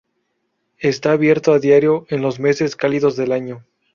Está abierto a diario en los meses cálidos del año.